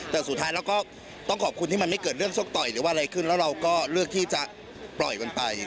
แต่สุดท้ายเราก็ต้องขอบคุณที่มันไม่เกิดเรื่องชกต่อยหรือว่าอะไรขึ้นแล้วเราก็เลือกที่จะปล่อยมันไป